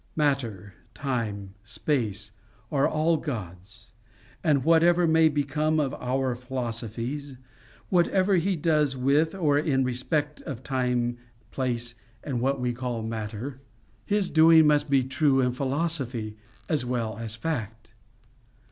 Matter, time, space, are all God's, and whatever may become of our philosophies, whatever he does with or in respect of time, place, and what we call matter, his doing must be true in philosophy as well as fact.